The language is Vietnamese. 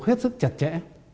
hết sức chặt chẽ